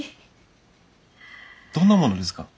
どんなものですか？